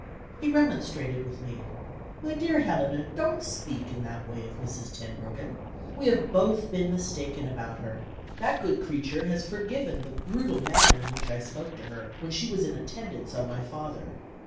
He remonstrated with me. "My dear Helena, don't speak in that way of Mrs. Tenbruggen. We have both been mistaken about her. That good creature has forgiven the brutal manner in which I spoke to her, when she was in attendance on my father.